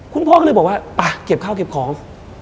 คุณพ่อก็เลยบอกว่าไปเก็บข้าวเก็บของ